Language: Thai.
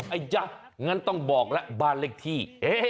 ไอ้จ๊ะงั้นต้องบอกแล้วบ้านเลขที่